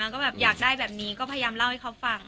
ก็แบบอยากได้แบบนี้ก็พยายามเล่าให้เขาฟัง